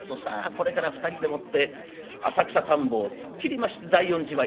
これから２人でもって浅草田圃を突っ切りまして大音寺前。